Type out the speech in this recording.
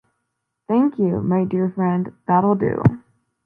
Thank you, my dear friend, that'll do.